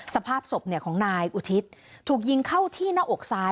สภาพศพของนายอุทิศถูกยิงเข้าที่หน้าอกซ้าย